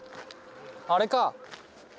あれか。